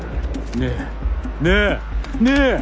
ねえ？ねえ？ねえ！？